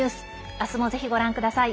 明日も、ぜひご覧ください。